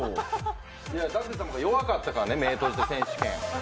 舘様が弱かったからね、目を閉じて選手権。